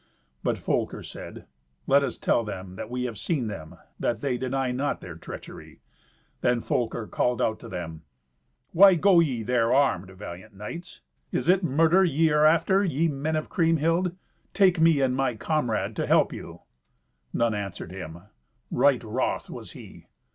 But Folker said, "Let us tell them that we have seen them, that they deny not their treachery." Then Folker called out to them, "Why go ye there armed, valiant knights? Is it murder ye are after, ye men of Kriemhild? Take me and my comrade to help you." None answered him. Right wroth was he.